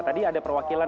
tadi ada perwakilan